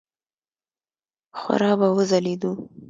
خورا به وځلېدو.